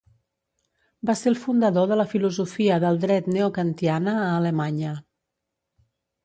Va ser el fundador de la filosofia del dret neokantiana a Alemanya.